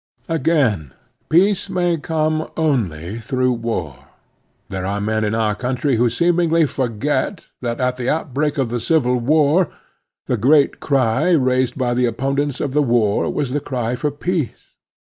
Again, peace may come only through war. There are men in our cotintry who seemingly forget that at the outbreak of the Civil War the great cry raised by the opponents of the war was the cry for peace.